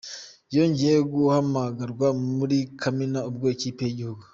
Yongeye guhamagarwa muri Kamena ubwo ikipe y’igihugu.